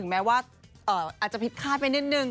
แม้ว่าอาจจะผิดคาดไปนิดนึง